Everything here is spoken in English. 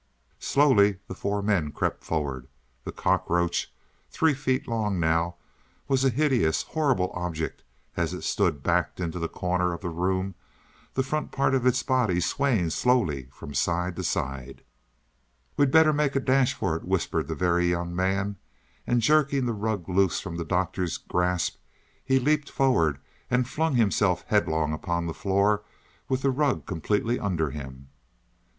Slowly the four men crept forward. The cockroach, three feet long now, was a hideous, horrible object as it stood backed into the corner of the room, the front part of its body swaying slowly from side to side. "We'd better make a dash for it," whispered the Very Young Man; and jerking the rug loose from the Doctor's grasp, he leaped forward and flung himself headlong upon the floor, with the rug completely under him.